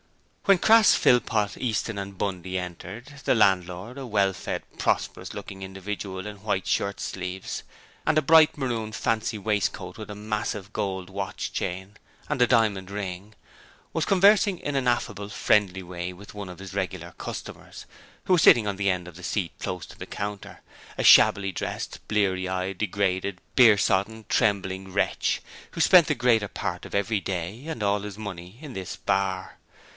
When Crass, Philpot, Easton and Bundy entered, the landlord, a well fed, prosperous looking individual in white shirt sleeves, and a bright maroon fancy waistcoat with a massive gold watch chain and a diamond ring, was conversing in an affable, friendly way with one of his regular customers, who was sitting on the end of the seat close to the counter, a shabbily dressed, bleary eyed, degraded, beer sodden, trembling wretch, who spent the greater part of every day, and all his money, in this bar.